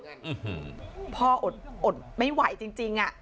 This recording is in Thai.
ถ้ามีป่นเพราะความเจอกับพ่ออดไม่ไหวจริง